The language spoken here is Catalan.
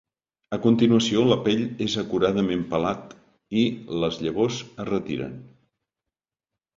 A continuació, la pell és acuradament pelat i les llavors es retiren.